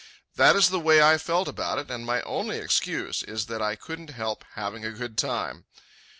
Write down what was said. That is the way I felt about it, and my only excuse is that I couldn't help having a good time.